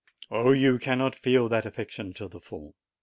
Oh, you cannot feel that affection to the full